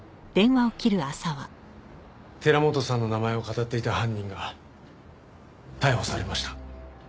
寺本さんの名前をかたっていた犯人が逮捕されました。